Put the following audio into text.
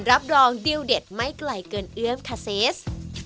รับรองดิวเด็ดไม่ไกลเกินเอื้อมคาเซส